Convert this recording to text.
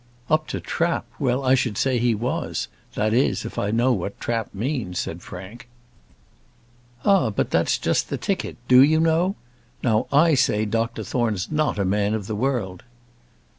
"Up to trap well, I should say he was; that is, if I know what trap means," said Frank. "Ah, but that's just the ticket. Do you know? Now I say Dr Thorne's not a man of the world."